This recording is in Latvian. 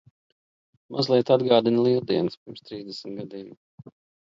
Mazliet atgādina Lieldienas pirms trīsdesmit gadiem.